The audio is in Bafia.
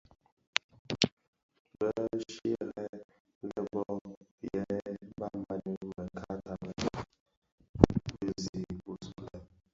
Kè shyeren lè bō yè banbani bë kaata bë zi bisulè.